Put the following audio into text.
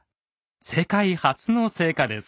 世界初の成果です。